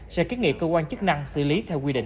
sẽ kiến nghị cơ quan chức năng xử lý theo quy định